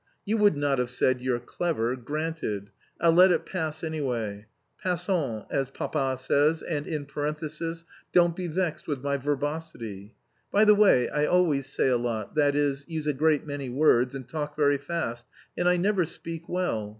You would not have said 'you're clever,' granted; I'll let it pass anyway. Passons, as papa says, and, in parenthesis, don't be vexed with my verbosity. By the way, I always say a lot, that is, use a great many words and talk very fast, and I never speak well.